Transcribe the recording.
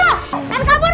jangan kabur lu